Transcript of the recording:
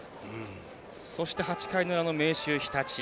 そして、８回の裏の明秀日立。